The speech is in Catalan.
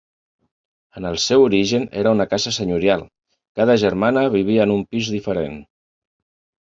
En el seu origen era una casa senyorial, cada germana vivia en un pis diferent.